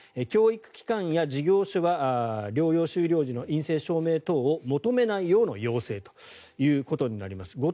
教育機関や事業所は療養終了時の陰性証明等を求めないように要請になります。